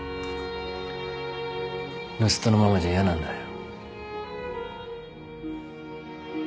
盗っ人のままじゃ嫌なんだよ。